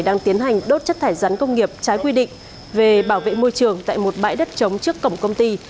đang tiến hành đốt chất thải rắn công nghiệp trái quy định về bảo vệ môi trường tại một bãi đất trống trước cổng công ty